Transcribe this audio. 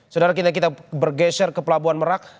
saudara kita kita bergeser ke pelabuhan merak